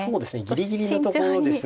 ギリギリのところですね。